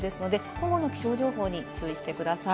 今後の気象情報に注意してください。